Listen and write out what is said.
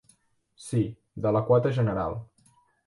Sí, de la quota general.